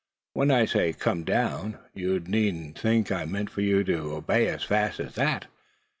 "When I say 'come down' you needn't think I mean for you to obey as fast as that.